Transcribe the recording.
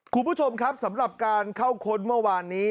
คุณผู้ชมครับสำหรับการเข้าค้นเมื่อวานนี้